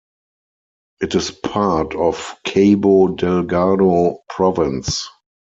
It is part of Cabo Delgado Province.